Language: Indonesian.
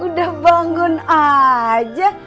udah bangun aja